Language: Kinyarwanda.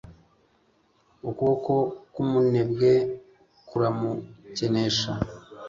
ukuboko k'umunebwe kuramukenesha